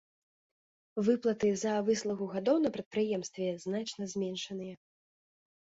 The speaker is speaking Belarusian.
Выплаты за выслугу гадоў на прадпрыемстве значна зменшаныя.